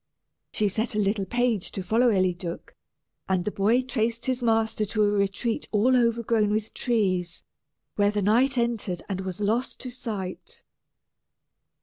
She set a little page to follow Eliduc, and the boy traced his master to a retreat all overgrown with trees, where the knight entered and was lost to sight.